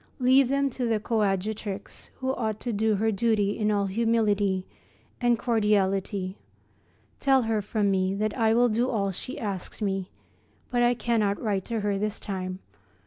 Leave them to the coadjutrix, who ought to do her duty in all humility and cordiality. Tell her from me that I will do all she asks me, but I cannot write to her this time.